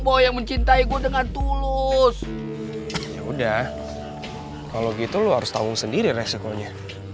boy yang mencintai gue dengan tulus udah kalau gitu lu harus tanggung sendiri resikonya